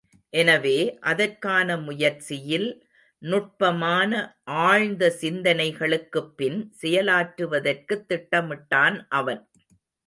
எனவே அதற்கான முயற்சியில் நுட்பமான ஆழ்ந்த சிந்தனைகளுக்குப் பின் செயலாற்றுவதற்குத் திட்டமிட்டான் அவன்.